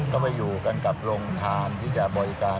ก็ไปอยู่กันกับโรงทานที่จะบริการ